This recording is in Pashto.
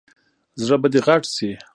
زړه به دې غټ شي !